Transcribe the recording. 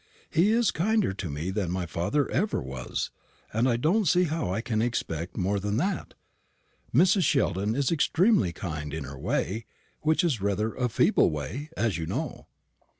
He is kinder to me than my father ever was; and I don't see how I can expect more than that. Mrs. Sheldon is extremely kind in her way which is rather a feeble way, as you know."